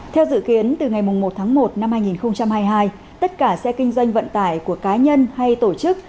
theo dự kiến từ ngày một tháng một năm hai nghìn hai mươi hai tất cả xe kinh doanh vận tải của cá nhân hay tổ chức